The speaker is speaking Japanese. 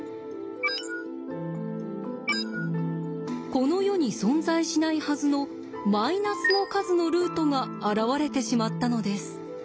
この世に存在しないはずのマイナスの数のルートが現れてしまったのです。